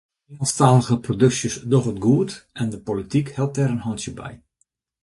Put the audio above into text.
Net-Ingelsktalige produksjes dogge it goed en de polityk helpt dêr in hantsje by.